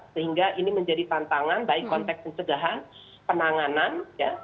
sehingga ini menjadi tantangan baik konteks pencegahan penanganan ya